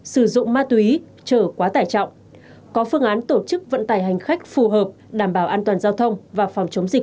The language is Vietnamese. sử dụng ma túy trở quá tải trọng có phương án tổ chức vận tải hành khách phù hợp đảm bảo an toàn giao thông và phòng chống dịch